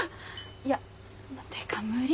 いやてか無理。